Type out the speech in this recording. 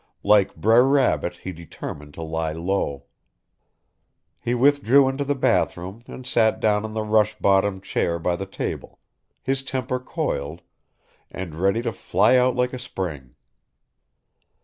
Like Brer Rabbit he determined to lie low. He withdrew into the bath room and sat down on the rush bottomed chair by the table, his temper coiled, and ready to fly out like a spring.